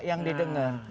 publik yang didengar